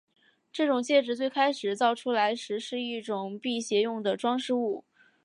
这种戒指最开始造出来时是一种辟邪用的装饰物。